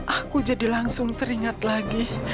aku jadi langsung teringat lagi